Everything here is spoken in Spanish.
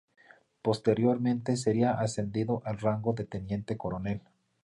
Posteriormente sería ascendido al rango de teniente coronel.